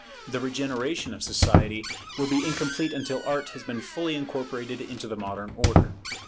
The regeneration of society will be incomplete until Art has been fully incorporated into the modern order.